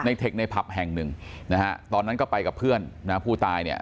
เทคในผับแห่งหนึ่งนะฮะตอนนั้นก็ไปกับเพื่อนนะฮะผู้ตายเนี่ย